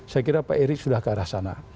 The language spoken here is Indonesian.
saya kira pak erick sudah ke arah sana